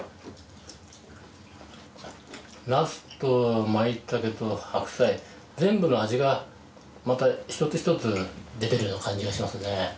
ナスとマイタケと白菜全部の味がまた一つ一つ出てるような感じがしますね。